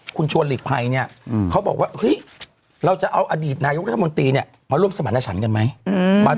คุณชวนหลีกภัยเนี่ยเขาบอกว่าเฮ้ยเราจะเอาอดีตนายกรัฐมนตรีเนี่ยมาร่วมสมรรถฉันกันไหม